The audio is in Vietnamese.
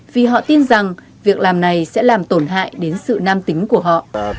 vì họ tin rằng việc làm này sẽ làm tổn hại đến sự nam tính của họ